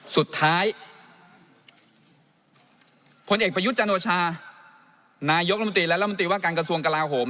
สุดท้ายผลเอกประยุทธ์จันโอชานายกรัฐมนตรีและรัฐมนตรีว่าการกระทรวงกลาโหม